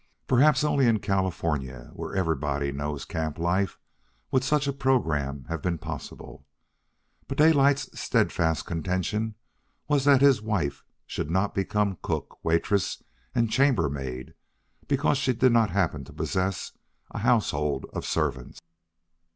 Perhaps only in California, where everybody knows camp life, would such a program have been possible. But Daylight's steadfast contention was that his wife should not become cook, waitress, and chambermaid because she did not happen to possess a household of servants.